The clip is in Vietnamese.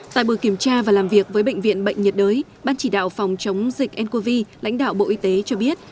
tại buổi kiểm tra và làm việc với bệnh viện bệnh nhiệt đới ban chỉ đạo phòng chống dịch ncov lãnh đạo bộ y tế cho biết